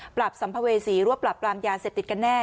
สัมภเวษีรวบปรับปรามยาเสพติดกันแน่